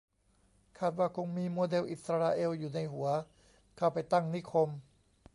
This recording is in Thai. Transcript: คาดว่าคงมีโมเดลอิสราเอลอยู่ในหัว เข้าไปตั้งนิคม